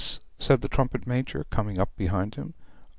said the trumpet major, coming up behind him.